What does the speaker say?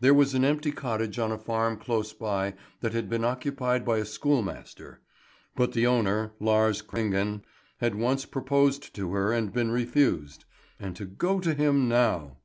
There was an empty cottage on a farm close by that had been occupied by a schoolmaster; but the owner, Lars Kringen, had once proposed to her and been refused; and to go to him now